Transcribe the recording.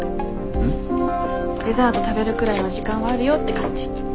デザート食べるくらいの時間はあるよって感じ。